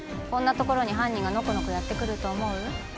こんなところに犯人がのこのこやってくると思う？